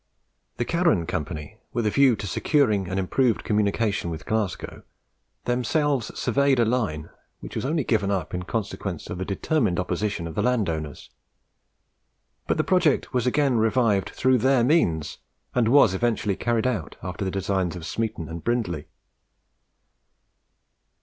The Carron Company, with a view to securing an improved communication with Glasgow, themselves surveyed a line, which was only given up in consequence of the determined opposition of the landowners; but the project was again revived through their means, and was eventually carried out after the designs of Smeaton and Brindley.